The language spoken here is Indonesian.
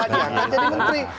dia nggak jadi menteri